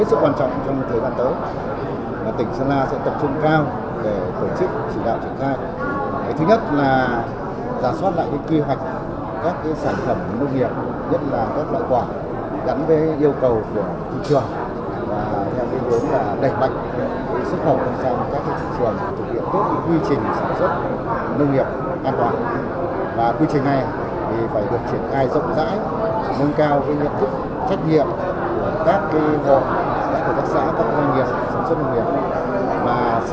ubnd tỉnh sơn la tổ chức hội nghị đẩy mạnh xuất khẩu các sản phẩm nông sản an toàn tỉnh sơn la năm hai nghìn một mươi tám